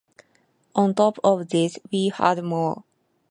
On top of this, we have more